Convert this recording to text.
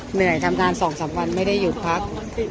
เหนื่อยทำงาน๒๓วันไม่ได้หยุดพัก